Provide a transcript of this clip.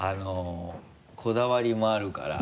こだわりもあるから。